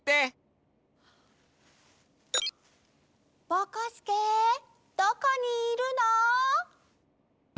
ぼこすけどこにいるの？